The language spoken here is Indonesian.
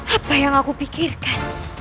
apa yang aku pikirkan